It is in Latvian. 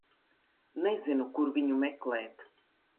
Nezinu, kur viņu meklēt.